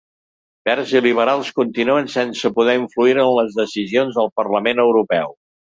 Verds i liberals continuen sense poder influir en les decisions al Parlament Europeu